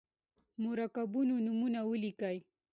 د مرکبونو نومونه ولیکئ.